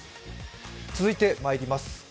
続いてまいります。